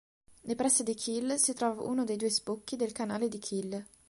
Nei pressi di Kiel si trova uno dei due sbocchi del Canale di Kiel.